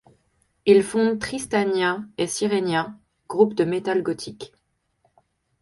Il fonde Tristania et Sirenia, groupes de Metal gothique.